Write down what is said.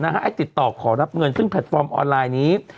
ให้ติดต่อขอรับเงินซึ่งแพลตฟอร์มออนไลน์นี้